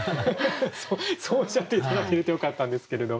そうおっしゃって頂けるとよかったんですけれど。